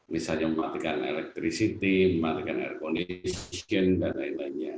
misalnya mematikan elektrisiti mematikan air kondisi gen dan lain lainnya